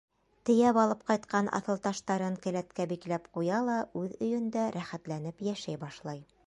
Тейәп алып ҡайтҡан аҫылташтарын келәткә бикләп ҡуя ла үҙ өйөндә рәхәтләнеп йәшәй башлай.